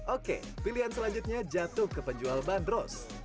oke pilihan selanjutnya jatuh ke penjual bandros